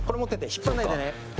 引っ張んないでね。